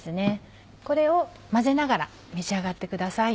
これを混ぜながら召し上がってください。